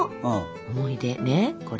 思い出ねこれ。